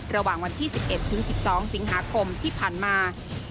ระหว่างวันที่๑๑ถึง๑๒สิงหาคมที่ผ่านมา